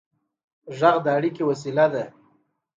غږ د اړیکې وسیله ده.